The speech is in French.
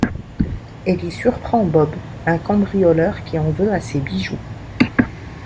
Elle y surprend Bob, un cambrioleur qui en veut à ses bijoux.